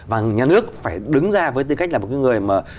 và ngân hàng nước phải đứng ra với tư cách là một người